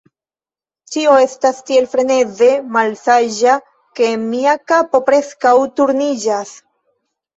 Ĉio estas tiel freneze malsaĝa, ke mia kapo preskaŭ turniĝas.